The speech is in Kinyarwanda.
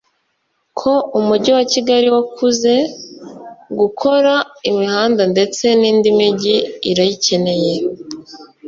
Ko umujyi wa Kigali wakuze gukora imihanda ndetse n’indi mijyi irayikeneye